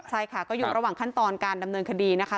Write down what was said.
ใช่ค่ะก็อยู่ระหว่างขั้นตอนการดำเนินคดีนะคะ